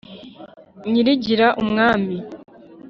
nyirigira: umwami